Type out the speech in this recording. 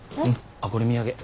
あっこれ土産。